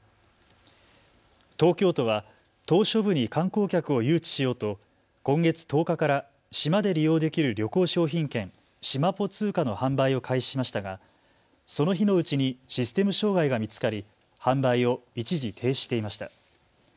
東京都は島しょ部に観光客を誘致しようと、今月１０日から島で利用できる旅行商品券、しまぽ通貨の販売を開始しましたが、その日のうちにシステム障害が見つかり販売を一時停止していました。